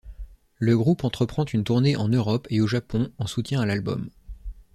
Le groupe entreprend une tournée en Europe et au Japon en soutien à l'album.